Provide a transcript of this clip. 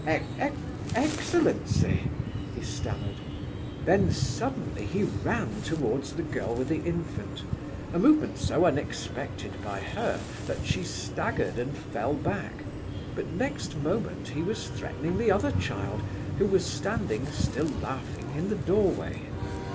ex ex excellency!" he stammered. Then suddenly he ran towards the girl with the infant, a movement so unexpected by her that she staggered and fell back, but next moment he was threatening the other child, who was standing, still laughing, in the doorway.